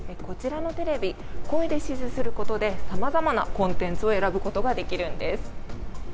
こちらのテレビ声で指示することでさまざまなコンテンツを選ぶことができるんです。